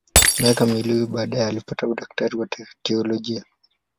Miaka miwili baadaye alipata udaktari wa teolojia.